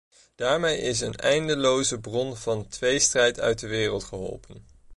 Daarmee is een eindeloze bron van tweestrijd uit de wereld geholpen.